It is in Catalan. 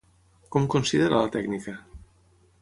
Com considera la tècnica?